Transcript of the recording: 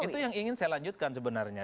itu yang ingin saya lanjutkan sebenarnya